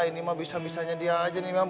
ini mah bisa bisanya dia aja nih